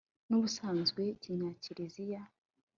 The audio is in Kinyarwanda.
n'ubusanzwe ikinya kirikiza